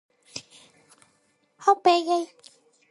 北京爷，就是爷！